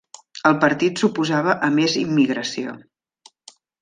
El partit s'oposava a més immigració.